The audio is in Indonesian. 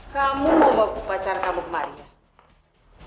kamu mau bawa pacar kamu kemari ya